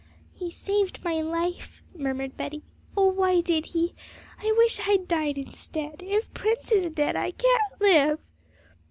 'He saved my life,' murmured Betty; 'oh, why did he? I wish I'd died instead; if Prince is dead, I can't live!'